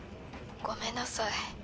ごめんなさい。